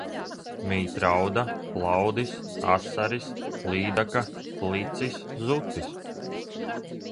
Mīt rauda, plaudis, asaris, līdaka, plicis, zutis.